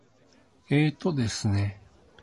えーとですね。